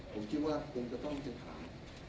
ผมคิดว่าคุณก็ต้องไปถาม